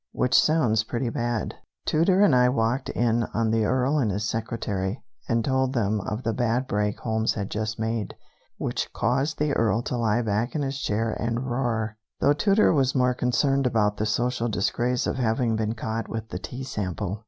which sounds pretty bad. Tooter and I walked in on the Earl and his secretary, and told them of the bad break Holmes had just made, which caused the Earl to lie back in his chair and roar, though Tooter was more concerned about the social disgrace of having been caught with the tea sample.